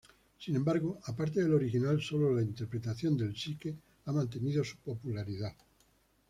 Sin embargo, aparte del original, solo la interpretación de Psique ha mantenido su popularidad.